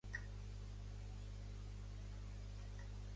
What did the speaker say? En quines zones d'Espanya es pot trobar el nom de Mohamet?